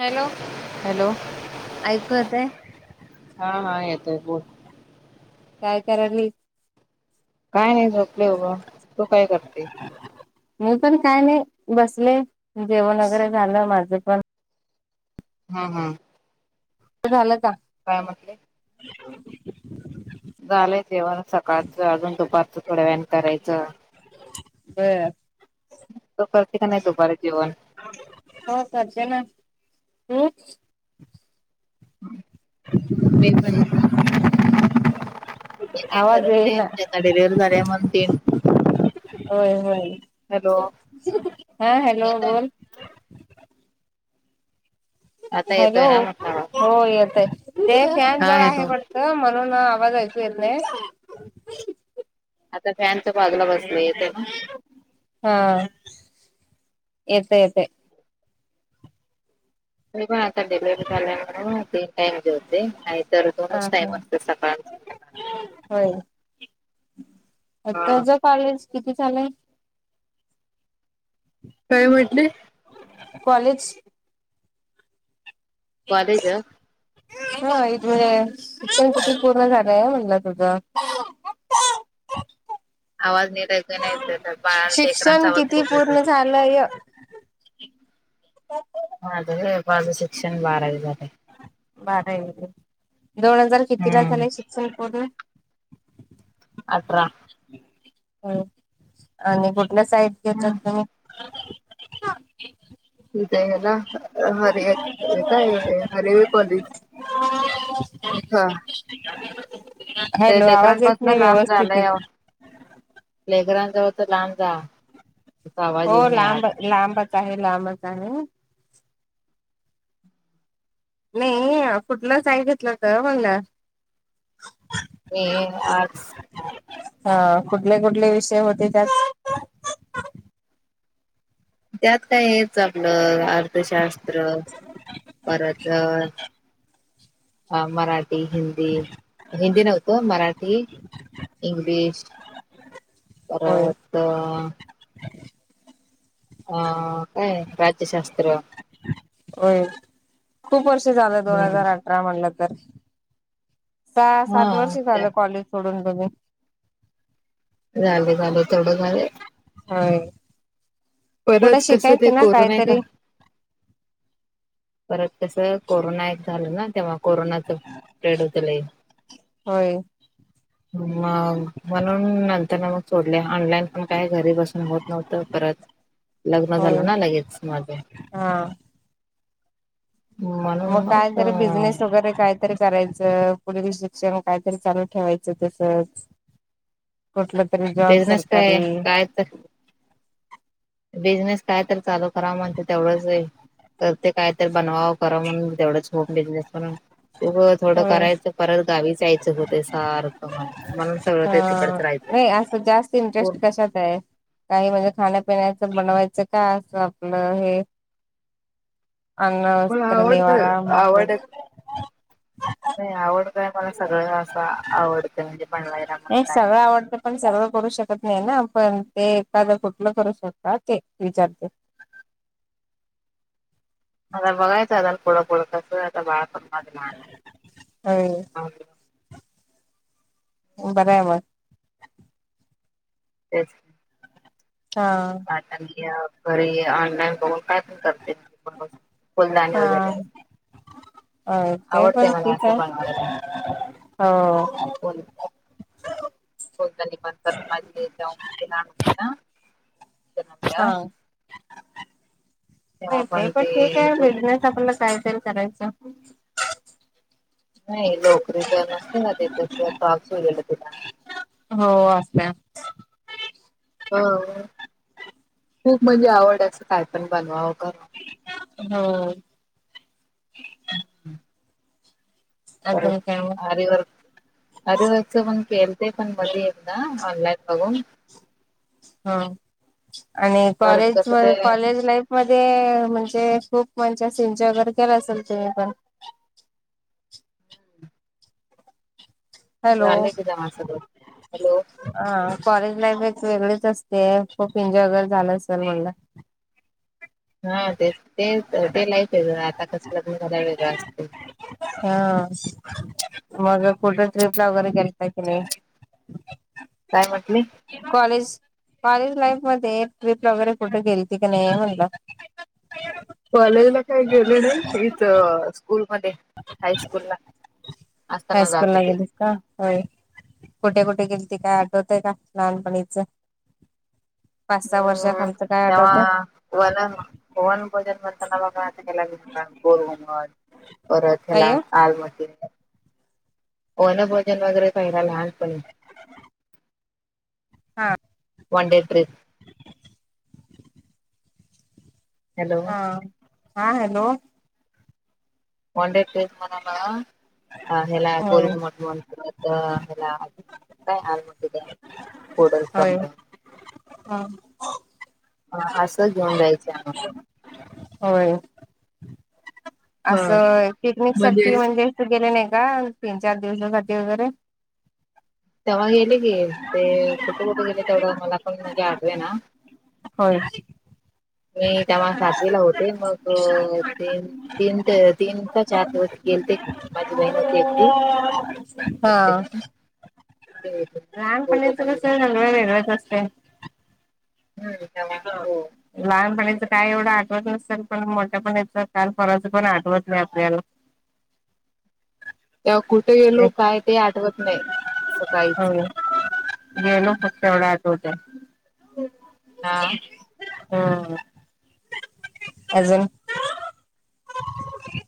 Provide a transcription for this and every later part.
Hello? Hello ऐकू येतंय? हा, हा, येतय बोल. काय करायली? काय नाही, झोपले उघं तू काय करते? मी पण काय नाही बसले जेवण वगैरे झालं माझं पण हा हा झालं का काय म्हटते [inaudible] झालंय जेवण सकाळचं अजून दुपारचं थोड्या वेळाने करायचं ब तु करते का नाही दुपारचं जेवण हो करतेना हम नेट बंद हे [unintelligible] मी काय आवाज करत येईना. नाही आता डिलेव्ह झाल्या म्हण तीन होय होय हॅलो हा हॅलो येतोय बोल ना आता हॅलो येतोय ना म्हटलं आवाज हो येत आहे ते फॅन हा जवळ आहे येतो पण हं म्हणून आवाज आयकु येेत नाहीय आता फॅनचा बाजला बसले तेव्हा हा येत येत अ बा आता डिलव्हरी झालीय ना तीने टाइम जेवते नाही तर हा दोनच हा टाइम सकाळ संध्याकाळ होय आता हा ज कॉलेज किती झालंय काय म्हटले कॉलेज कॉलेज हं व्हंय व्हंय इथ म्हणजे पण किठ पूर्ण झालंय म्हणलं तुझं आवाज नीट एकु नाही येत आमच्या लेकरांच्या आवाज खूप येतोय लय हो [inaudible] माझं रे माझ्या शिक्षण बारावी झालंय बारावी दोन हजार कितीला हम्म. झाले शिक्षण पूर्ण अठरा हं आणि कुठल्या शाळेत जायच्या हम्म तुम्ही मी तर हे ना हरया काय हरेरे कॉलेज हा. ते हॅलो आवाज येत लेकरांपासन नाही व्यवस्थित प्ले ग्राउंड जवळच लांब गाव हो लांब लांबच आहे लांबच आहे. नाही कुठल साइड घितलं होत म्हणलं मी आर्स हा कुठले कुठले विषय होते त्यात त्यात काय हेच आपलं अर्थशास्त्र परत अ मराठी हिंदी हिंदी नव्हतो मराठी इंग्लिश होय परत अ काय हे राज्यशास्त्र होय खूप वर्ष झालं दोन हम्म हजार अठरा म्हटलं तर सहा सात हा वर्ष झालं झाले कॉलेज सोडून तुम्ही झालं, झालं. तेवढं झालंय. होय, पुढं परत कसं ते शिकायचं ना कोरोना आहे का काहीतरी परत तसं कोरोना एक झालं ना, तेव्हा कोरोनाच प्रेड होत लय होय मग म्हणून नंतर न मग सोडलं ऑनलाईन, पण काय घरी बसून होत नव्हतं परत लग्न झालं होय ना, लगेच माझं हा. म्हणून मग काय, तरी मग बिझनेस वगैरे काय तरी करायचं, पुढीलं शिक्षण कायतरी चालू ठेवायचं तसंच कसलं बिझनेस काय, काय तर बिझनेस काय, तर चालू करावा म्हणते, तेवढंच हे करते, कायतर बनवावं करावं मग, तेवढंच होम बिझनेस होईल. उगच एवढं होय करायचं? परत गावी जायचं होतयं सारखं मला म्हणून सगळं ते अं तिकडच नाही, राहतंय. असं जास्त इंटरेस्ट कशात आहे? काही म्हणजे, खाण्यापिण्याचं बनवायचं का, असं आपलं हे अन्न, मला वस्त्र, आवडतं निवारा आवड म्हणत्यात. नाही, आवड काय, मला सगळं असं आवडतंय म्हणजे बनवायला, मग नाही काय सगळं आवडतं पण सगळं करू शकत नाही ना आपण? ते एखादं कुठलं करू शकता, ते विचारते. आता बघायच, आता पुढं पुढं कसंय, आता बाळाचा वागण होय हो, बरं आहे, बघ. तेच हा आता घरी ऑनलाईन बघून काय पण करते, फुलदाणी वगैरे अं, ते आवडते पण मला ठीक असं आहे हो बोला हो [unintelligible] ना जन्मल्या हो नाही, ते पण ठीक आहे. बिझनेस आपल्याला कायतरी करायच. नाही, नोकरी तर नसते ना तिथं, काम सुटलेलं तिला हो, असतयं असं हो, खूप म्हणजे आवड असं, काय पण बनवावं करावं हो. [unintelligible] अजून काय मग आरी वर्क आरी वर्कच पण केलंत, पण मध्ये एकदा ऑनलाईन बघून केलं. हं, आणि परत कॉलेज कसं अ ते कॉलेज लाईफ मध्ये म्हणजे खूप [unintelligible] [unintelligible] झालं की जमा सगळं, हॅलो. हा, कॉलेज लाईफ एक वेगळीच असते. खूप एन्जॉय वगैरे झालं असेल, म्हटलं. [unintelligible] हा, तेच तेच. ते लाईफ वेगळं. आता कसं लग्न झाल्याव वेगळं असतंय. हा, मग आता पुढं ट्रिपला वगैरे गेलता कि नाही? काय म्हटले? कॉलेज कॉलेज लाईफ मध्ये ट्रिपला वगैरे कुठे गेलती की नाही म्हणलं [inaudible] कॉलेजला काही गेले नाही, इथं स्कूल मध्ये हायस्कूलला असताना जात हायस्कूल ला होतेे. गेलीस का? होय. कुठे कुठे गेलती काय आठवतंय का लहानपणीच? पाच सहा वर्षाखालचं काय आठवतंय? वन वन भोजन असं कवा काय केलाय का असं गोल घुमट परत हेला काय आलमट्टी. वनभोजन वगैरे पहिला लहानपणी- हा. One day trip. हॅलो हा हा हॅलो. वने डे ट्रिप म्हणाला हेला होय गोलघुमट म्हण अ हेला काय आलमट्टी धरण, होय कुडलसंगम हा. हा असं घेऊन जायचे आम्हाला. होय. हा असं पिकनिक साठी म्हणजे ते गेले नाही का तीन चार दिवसासाठी वगैरे. तेव्हा गेले की, ते कुठं कुठं गेले तेवढं मला पण म्हणजे आठवेना. होय. मी तेव्हा सातवीला होते मग तीन तीन त तीन काय चार दिवस गेलते की माझी बहीण होती एकटी. हा. एकटी ते होते दोघं लहानपणीचं पण कसं सगळं वेगळंच असतंय. हम्म तेव्हा हो [unintelligible] लहानपणीचा काय एवढं आठवत नसेल पण मोठ्यापणीच काल-परवाच पण आठवत नाही आपल्याला. तेव्हा कुठे गेलो आपल्याला काय ते आठवत नाही असं काहीच. हो गेलो होतो तेवढा आठवतंय. हा हा. अजून?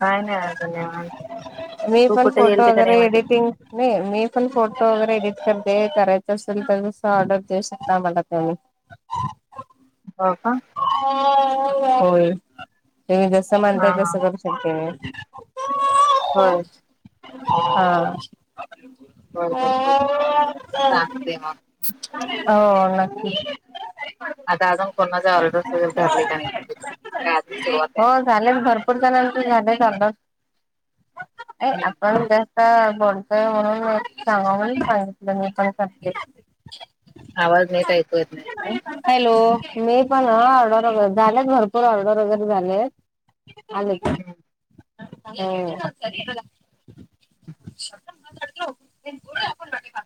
काही नाही अजुन निवांत. मी तू पण कुठे फोटो गेलती का वगैरे नाही म्हणजे एडिटिंग नाही मी पण फोटो वगैरे एडिट करते, करायचा असेल तर तसं ऑर्डर देऊ शकता मला तुम्ही. [unintelligible] हो का? होय, तुम्ही जसं हा म्हणताय हा तसं करु शकते होय हा. [inaudible] बर बर बर सांगते मग हो नक्की. आता अजून कोणाच ऑर्डर्स वगैरे धरले का नाही का अजून सुरवात आहे? झाले भरपूर जणांचे झालं चांगलं ते हम्म. आपण आता बोलतोय म्हणून सांगाव म्हणुन सांगितलं मी पण करते. आवाज नीट ऐकू येत नाही काय? हॅलो,? मी पण हं, ऑर्डर वगैर झालेत, भरपूर ऑर्डर वगैरे झालेत. आलेत हम्म. हो, [inaudible]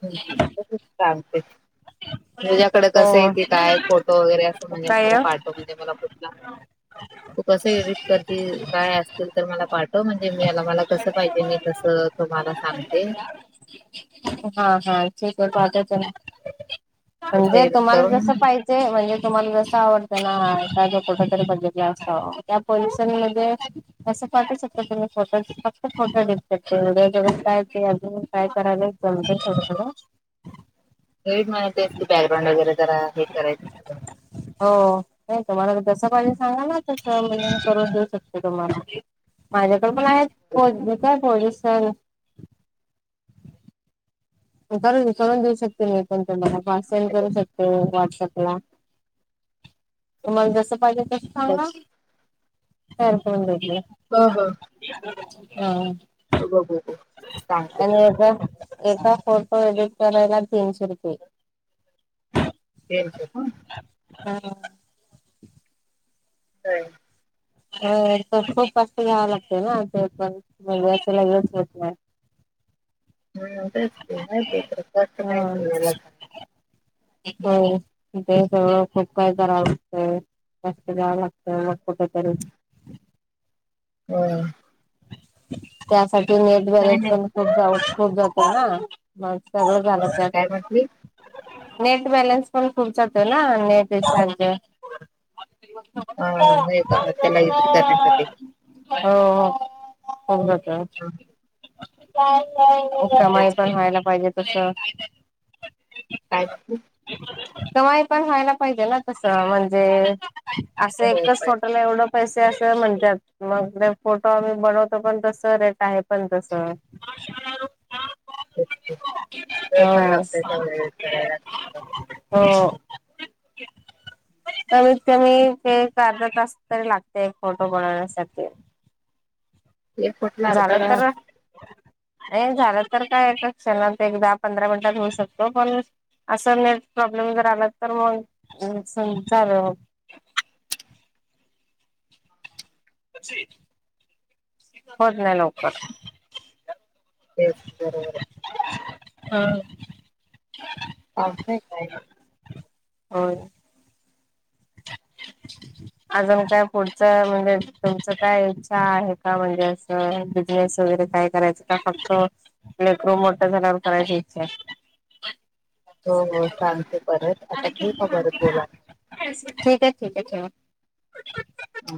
ठीके चालतय. [unintelligible] तुझ्याकड कसं ये, हो ते काय फोटो वगैरे, असं म्हणजे मला पाठव, म्हणजे मला कुठला ह [unintelligible] तू कसं एडिट करती, काय असतील, तर मला पाठव, म्हणजे मी याला मला कसं पाहिजे, मी तसं तुम्हाला सांगते हां हां ठीक ये, पाठवते म तसं म्हणजे एडिट तुम्हाला करून जसं पाहि जे, म्हणजे तुम्हाला जस आवडतं ना, [unintelligible] कुठ तरी बघितला असत, त्या पोल्युशन मध्ये असं पाटू सकतो, तुम्ही फोटो, फक्त फोटो एडिट [unintelligible] जगात काय ते आजून काय-करायला, जमत थोडं-थोडं हे माहती असते की, बॅकग्राऊंड वगैरे, जरा हे करायचं हो, नही का, तुम्हाला जस पाहिजे, सांगा ना, तस मी ही करून देऊ शकते, तुम्हाला. माझ्याकड पण आहेत, पोज काय पोजेस कर- करून देऊ शकते, मी पण तुम्हाला फास्ट सेंड करू शकते, व्हॉट्सअप ला तुम्हाला जस पाहिजे, तस सांगा, तयार करून देते [unintelligible] हो हो. हं बघू बघू सांगते आणि एका, एका फोटो एडिट करायला, तिनशे रूपये तीनशे का? हां. [unintelligible] अ, तर खूप कष्ट घ्यावं लागते ना, ते पण घच [unintelligible] होत नाही. ह्म, तेच की, [unintelligible] [unintelligible] एक, ते सगळं खूप काय कराव लागत. लक्ष द्यावं लागत, मग कुठंतरी हम. त्यासाठी नेट काय बॅलेन्स नाही पण, खूप जा, खूप जातो ना? मग, सगळं झालं तर काय म्हटली नेट बॅलन्स पण, खूप जातो ना, नेट रिचार्ज अ हे का त्याला एडिट करण्यासाठी [unintelligible] हो, होउन जात, [unintelligible] कमाई तेच पण, व्हायला पाहिजे, तस काय म्हंटली? कमाई पण, व्हायला पाहिजे ना तसं, म्हणजे असं एकच, होय फोटोला एवढं पैसे अशे, म्हणतात. मग, ते फोटो आम्ही बनवतो, पण तस रेट आहे पण तस. तेच की, [unintelligible] वेळ लागतोय तेवढं, हे करायला समजा हो कमीत-कमी, ते एक अर्धा तास तरी लागते, एक फोटो बनवण्यासाठी एक कुठला [unintelligible] अर्धा झालं तर तास नहीं झालं तर, काय एका क्षणात, एक दहा पंधरा मिनिटात, होऊ शकत, पण असं नेट प्रॉब्लेम जर आला तर मग स चालू होत नाही लवकर तेच बरोबर आहे. हा असतंय काय होय [inaudible] अजून काय पुढचं म्हणजे तुमचं काय इच्छा आहे का म्हणजे असं बिझनेस वगैरे काय करायचं? का फक्त लेकरू मोठं झाल्यावर करायची इच्छा आहे. हो हो चालतंय परत आता ठेऊ का परत बोला आपण? ठीक आहे ठीक आहे ठेवा. हा